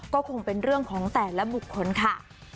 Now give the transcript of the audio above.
ก็คงเป็นเรื่องของแต่ละบุคคลค่ะ